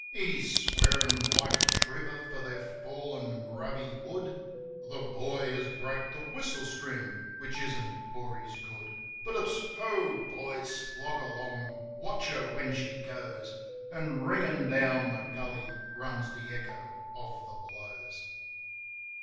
He's swearin' like a trooper, for they're falling grubby wood; The boy has broke the whistle string, which isn't for his good. But it's : Ho, boys ! Slog along! Watch her when she goes! An' ringin' down the gully runs the echo of the blows.